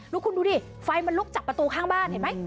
แล้วคุณดูดิไฟมันลุกจากประตูข้างบ้านเห็นไหม